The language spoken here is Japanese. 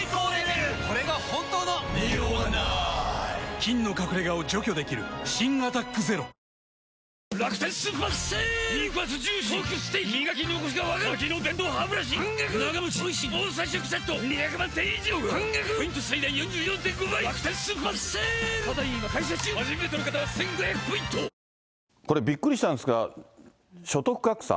菌の隠れ家を除去できる新「アタックＺＥＲＯ」これ、びっくりしたんですが、所得格差。